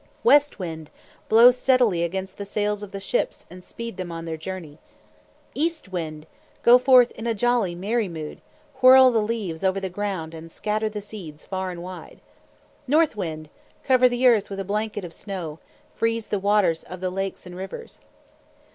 "West Wind! Blow steadily against the sails of the ships and speed them on their journey. "East Wind! Go forth in a jolly, merry mood. Whirl the leaves over the ground and scatter the seeds far and wide. "North Wind! Cover the earth with a blanket of snow. Freeze the waters of the lakes and rivers."